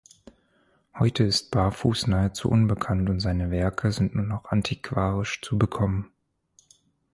Heute ist Barfus nahezu unbekannt und seine Werke sind nur noch antiquarisch zu bekommen.